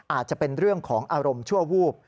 อาจจะเป็นเรื่องของอารมณ์ชั่ววูบ